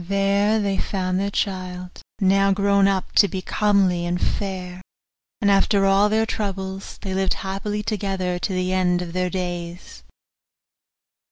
There they found their child, now grown up to be comely and fair; and after all their troubles they lived happily together to the end of their days.